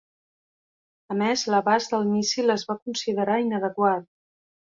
A més, l'abast del míssil es va considerar inadequat.